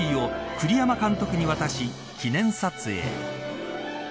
栗山監督に渡し記念撮影。